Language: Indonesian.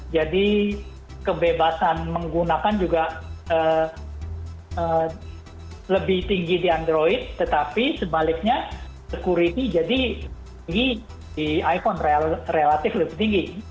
jadi kebebasan menggunakan juga lebih tinggi di android tetapi sebaliknya security jadi tinggi di iphone relatif lebih tinggi